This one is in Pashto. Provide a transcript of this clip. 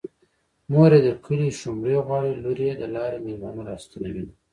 مور يې د کلي شومړې غواړي لور يې د لارې مېلمانه راستنوينه